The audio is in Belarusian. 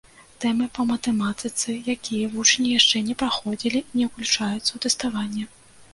Тэмы па матэматыцы, якія вучні яшчэ не праходзілі, не ўключаюцца ў тэставанне.